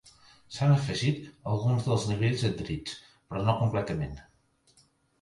S'han afegit alguns dels nivells adherits, però no completament.